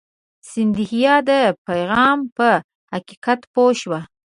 سیندهیا د پیغام په حقیقت پوه شو.